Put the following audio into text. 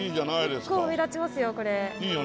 結構目立ちますよ